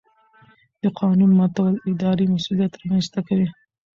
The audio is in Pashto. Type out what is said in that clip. د قانون ماتول اداري مسؤلیت رامنځته کوي.